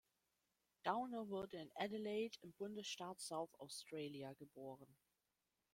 Downer wurde in Adelaide im Bundesstaat South Australia geboren.